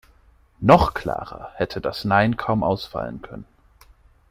Noch klarer hätte das Nein kaum ausfallen können.